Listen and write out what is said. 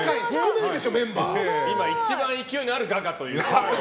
今、一番勢いのあるガガということで。